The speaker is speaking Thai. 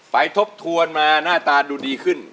ทบทวนมาหน้าตาดูดีขึ้น